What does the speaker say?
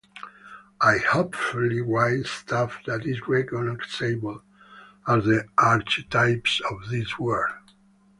I hopefully write stuff that is recognizable as the archetypes of this world.